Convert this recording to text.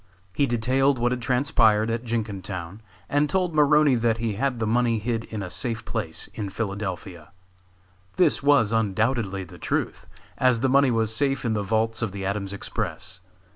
He detailed what had transpired at Jenkintown, and told Maroney that he had the money hid in a safe place in Philadelphia. This was undoubtedly the truth, as the money was safe in the vaults of the Adams Express.